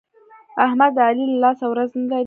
احمد د علي له لاسه ورځ نه لري.